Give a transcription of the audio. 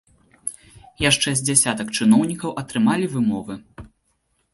Яшчэ з дзясятак чыноўнікаў атрымалі вымовы.